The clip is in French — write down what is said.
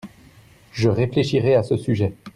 Je réfléchirai à ce sujet.